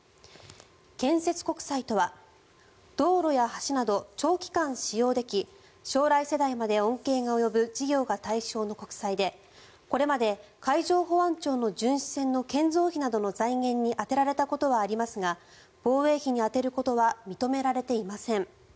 建設国債とは道路や橋など長期間使用でき将来世代まで恩恵が及ぶ事業が対象の国債でこれまで海上保安庁の巡視船の建造費などの財源に充てられたことはありますが防衛費に充てることは認められていません。